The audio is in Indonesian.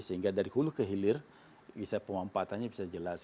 sehingga dari hulu ke hilir bisa pemampatannya bisa jelas